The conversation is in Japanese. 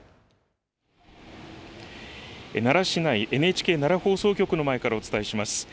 奈良市内、ＮＨＫ奈良放送局の前からお伝えします。